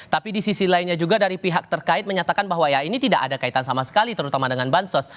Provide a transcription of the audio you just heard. tapi di sisi lainnya juga dari pihak terkait menyatakan bahwa ya ini tidak ada kaitan sama sekali terutama dengan bansos